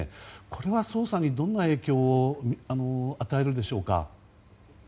これは捜査にどんな影響を与えるでしょうか。